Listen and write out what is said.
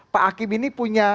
pak akim ini punya